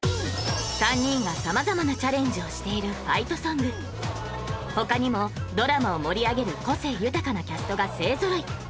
３人が様々なチャレンジをしている「ファイトソング」他にもドラマを盛り上げる個性豊かなキャストが勢ぞろい